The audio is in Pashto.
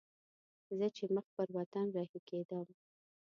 زه چې مخ پر وطن رهي کېدم.